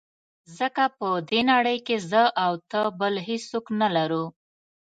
ځکه په دې نړۍ کې زه او ته بل هېڅوک نه لرو.